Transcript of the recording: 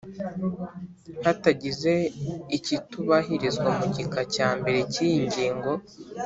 Hatagize ikitubahirizwa mu gika cya mbere cy iyi ngingo